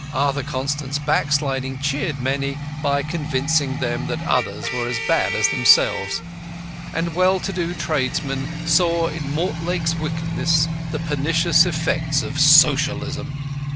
Arthur Constant's backsliding cheered many by convincing them that others were as bad as themselves; and well to do tradesmen saw in Mortlake's wickedness the pernicious effects of Socialism.